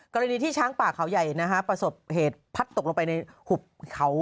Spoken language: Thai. กรณีที่ช้างป่าเขาใหญ่นะฮะประสบเหตุพัดตกลงไปในหุบเขา